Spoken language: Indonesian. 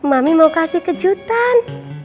mami mau kasih kejutan